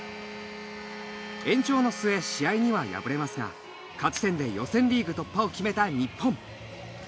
延長の末、試合には敗れますが勝ち点で予選リーグ突破を決めた日本。